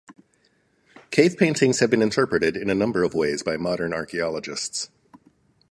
Cave paintings have been interpreted in a number of ways by modern archaeologists.